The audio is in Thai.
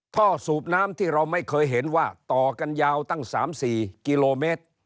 สูบน้ำที่เราไม่เคยเห็นว่าต่อกันยาวตั้ง๓๔กิโลเมตร